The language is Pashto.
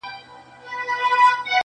خو د سپي د ژوند موده وه پوره سوې,